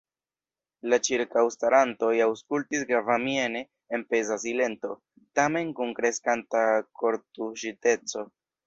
La ĉirkaŭstarantoj aŭskultis gravamiene en peza silento, tamen kun kreskanta kortuŝiteco.